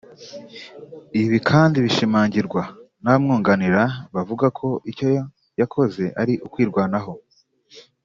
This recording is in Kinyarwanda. Ibi kandi bishimangirwa n'abamwunganira bavuga ko icyo yakoze ari ukwirwanaho